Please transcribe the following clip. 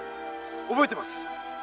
覚えてます。